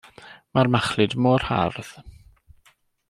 Mae'r machlud mor hardd.